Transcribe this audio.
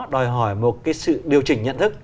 đòi hỏi một cái sự điều chỉnh nhận thức